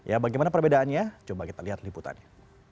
ya bagaimana perbedaannya coba kita lihat liputannya